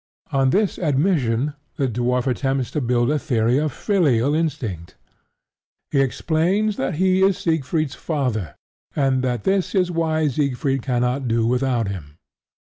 On this admission the dwarf attempts to build a theory of filial instinct. He explains that he is Siegfried's father, and that this is why Siegfried cannot do without him.